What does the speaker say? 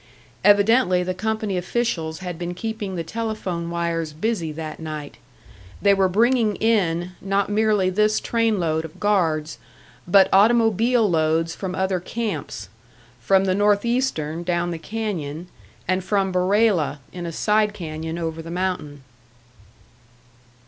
Evidently the company officials had been keeping the telephone wires busy that night; they were bringing in, not merely this train load of guards, but automobile loads from other camps from the Northeastern down the canyon, and from Barela, in a side canyon over the mountain.